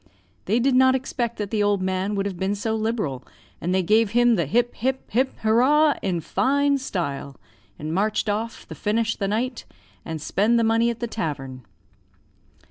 They did not expect that the old man would have been so liberal, and they gave him the 'Hip, hip, hip hurrah!' in fine style, and marched off the finish the night and spend the money at the tavern."